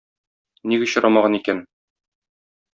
Ник очрамаган икән.